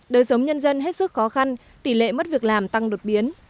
đời sống nhân dân hết sức khó khăn tỷ lệ mất việc làm tăng đột biến